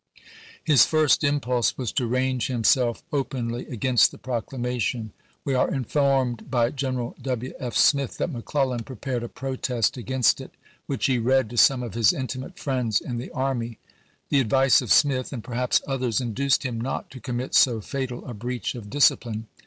His first impulse was to range himself openly against the Proclamation. We are informed by General W. F. Smith that McClellan prepared a protest against it, which he read to some of his intimate friends in the army. The advice of Smith, and perhaps others, induced him not to commit so fatal a breach of discipline.